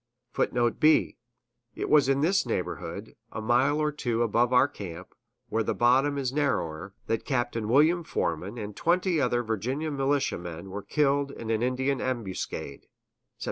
] [Footnote B: It was in this neighborhood, a mile or two above our camp, where the bottom is narrower, that Capt. William Foreman and twenty other Virginia militiamen were killed in an Indian ambuscade, Sept.